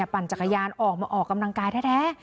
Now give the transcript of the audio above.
ปั่นจักรยานออกมาออกกำลังกายแท้